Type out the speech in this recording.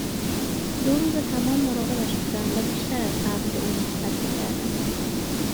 دو روز تمام مراقبش بودم و بیشتر از قبل به او محبت میکردم